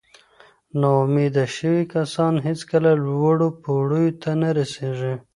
ناامیده شوي کسان هیڅکله لوړو پوړیو ته نه رسېږي.